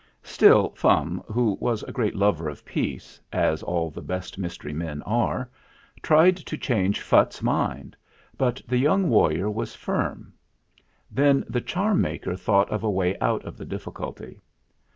Still Fum, who was a great lover of peace, as all the best mystery men are, tried to change Phutt's mind ; but the young warrior was firm. Then the charm maker thought of a way out of the difficulty.